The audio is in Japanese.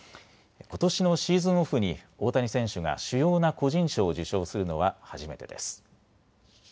ことしのシーズンオフに大谷選手が主要な個人賞を受賞するのは初めてです。